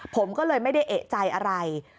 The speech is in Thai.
ผมก็เลยไม่ได้เอกใจอะไร